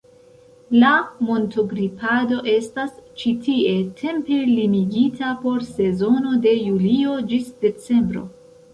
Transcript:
La montogripado estas ĉi tie tempe limigita por sezono de julio ĝis decembro.